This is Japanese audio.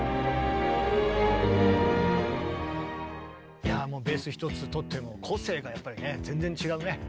いやもうベースひとつとっても個性がやっぱりね全然違うね。